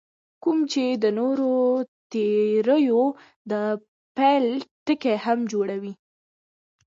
کوم چې د نورو تیوریو د پیل ټکی هم جوړوي.